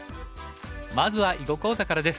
まずは囲碁講座からです。